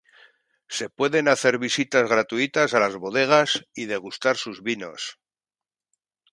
Se pueden hacer visitas gratuitas a las bodegas y degustar sus vinos.